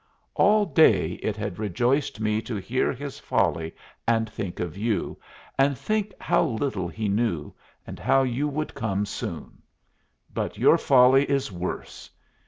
All day it had rejoiced me to hear his folly and think of you, and think how little he knew, and how you would come soon. But your folly is worse.